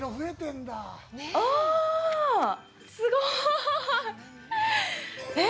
ああ、すごい。えっ？